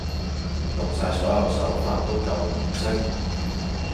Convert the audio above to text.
用晒所有手法都救唔熄